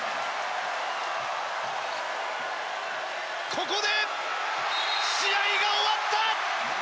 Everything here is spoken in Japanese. ここで試合が終わった！